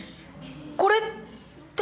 これって。